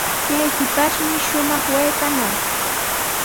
Kay shipashmi shumaq waytanaw.